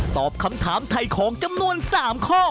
ตอบคำถามไถ่ของจำนวน๓ข้อ